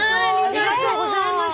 ありがとうございます。